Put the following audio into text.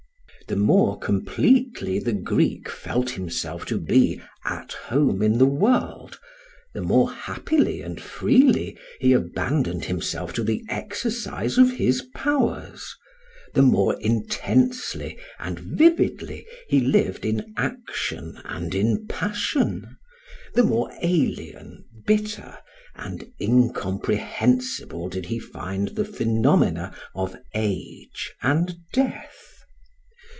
The more completely the Greek felt himself to be at home in the world, the more happily and freely he abandoned himself to the exercise of his powers, the more intensely and vividly he lived in action and in passion, the more alien, bitter, and incomprehensible did he find the phenomena of age and death.